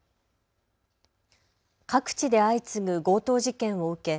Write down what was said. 各地で相次ぐ強盗事件を受け